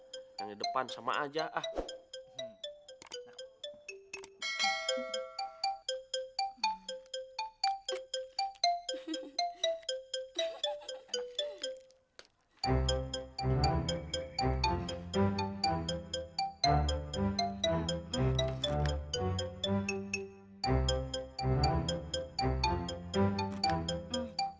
yang di depan emang rakus